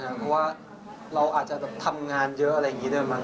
ไม่ค่อยนะครับเพราะว่าเราอาจจะทำงานเยอะอะไรอย่างนี้ด้วยมั้ง